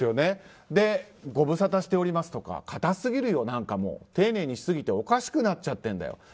ご無沙汰しておりますとか堅すぎるよ、なんかもう丁寧にしすぎておかしくなっちゃってるんだよ